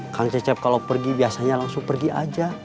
kang cecep kalau pergi biasanya langsung pergi aja